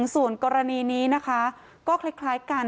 ส่วนกรณีนี้นะคะก็คล้ายกัน